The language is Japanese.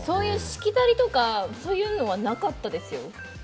しきたりとかそういうのはなかったですよ。